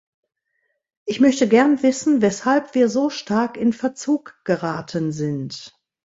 Ich möchte gern wissen, weshalb wir so stark in Verzug geraten sind.